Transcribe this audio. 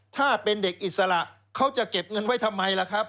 ถ้าเป็นเด็กอิสระเขาจะเก็บเงินไว้ทำไมล่ะครับ